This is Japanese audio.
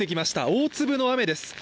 大粒の雨です。